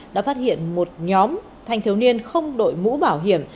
đã phát hiện một nhóm thanh thiếu niên không đội mũ bảo hiểm